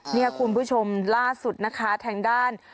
เนี่ยคุณผู้ชมล่าสุดนะคะทางด้าน